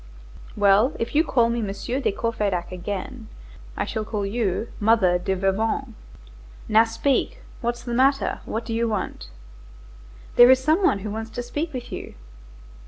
"Well, if you call me Monsieur de Courfeyrac again, I shall call you Mother de Veuvain. Now speak, what's the matter? What do you want?" "There is some one who wants to speak with you."